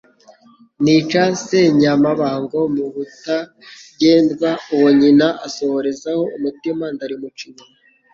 nica Senyamabango mu Butagendwa; uwo nyina asohorezaho umutima ndalimucinya